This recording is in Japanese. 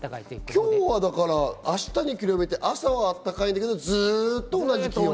今日だから明日に比べて、朝は暖かいけど、ずっと同じ気温。